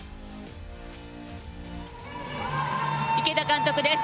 池田監督です。